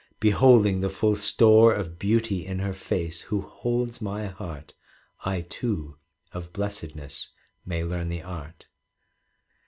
Beholding the full store Of beauty in her face who holds my heart, I too of blessedness may learn the art.